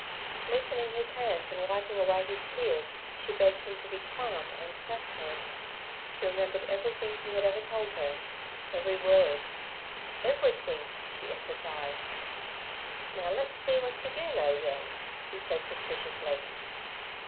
Loosening his hands and wiping away his tears, she begged him to be calm and trust her. She remembered everything he had ever told her—every word, everything, she emphasized. 'Now let's see w'at yer do know, then' he said suspiciously.